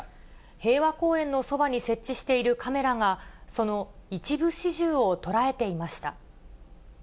平和公園のそばに設置しているカメラが、その一部始終を捉えていました。